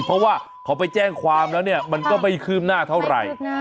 เพราะว่าเขาไปแจ้งความแล้วเนี่ยมันก็ไม่คืบหน้าเท่าไหร่